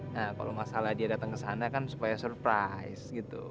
nah kalau masalah dia datang ke sana kan supaya surprise gitu